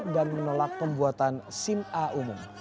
dan menolak pembuatan sim a umum